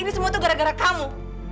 ini semua tuh gara gara kamu